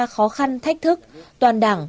khó khăn thách thức toàn đảng